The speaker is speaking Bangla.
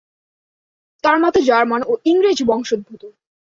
তার মাতা জার্মান ও ইংরেজ বংশোদ্ভূত।